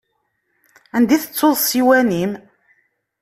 Anda i tettuḍ ssiwan-im?